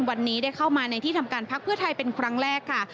วันนี้ได้เข้ามาในที่ทำการพักเพื่อไทยเป็นครั้งแรกค่ะ